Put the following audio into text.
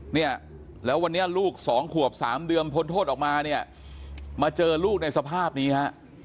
เนี่ยแล้ววันนี้ลูกสองขวบสามเดือนพ้นโทษออกมาเนี่ยมาเจอลูกในสภาพนี้ฮะ